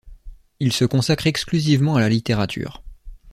Il se consacre exclusivement à la littérature.